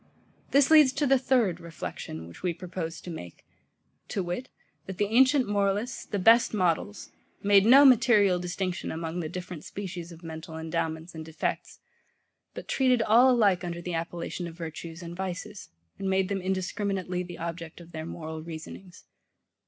This leads to the THIRD reflection, which we proposed to make, to wit, that the ancient moralists, the best models, made no material distinction among the different species of mental endowments and defects, but treated all alike under the appellation of virtues and vices, and made them indiscriminately the object of their moral reasonings.